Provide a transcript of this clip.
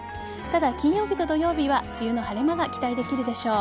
ただ、金曜日と土曜日は梅雨の晴れ間が期待できるでしょう。